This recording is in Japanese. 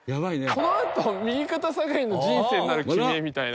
「このあと右肩下がりの人生になる君へ」みたいな。